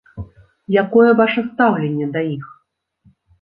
Якое ваша стаўленне да іх?